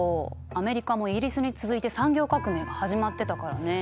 アメリカもイギリスに続いて産業革命が始まってたからね。